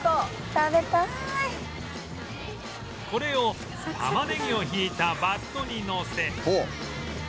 これを玉ねぎをひいたバットにのせ